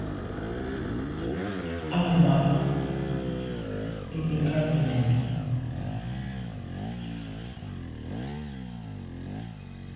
Á ma’ mbwe ngabnyàm.